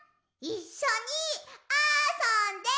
いっしょにあそんで！